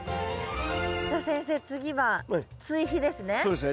じゃあ先生次は追肥ですね。